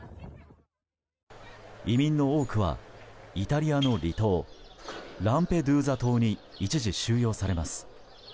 移民の多くはイタリアの離島ランペドゥーザ島に一時収容されます。